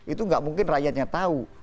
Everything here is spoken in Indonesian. itu nggak mungkin rakyatnya tahu